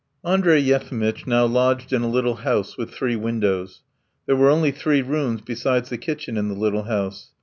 XV Andrey Yefimitch now lodged in a little house with three windows. There were only three rooms besides the kitchen in the little house.